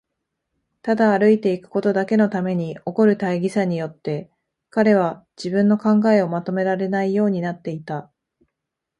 ただ歩いていくことだけのために起こる大儀さによって、彼は自分の考えをまとめられないようになっていた。